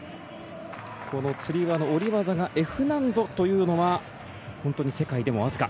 このつり輪の下り技がＦ難度というのは本当に世界でもわずか。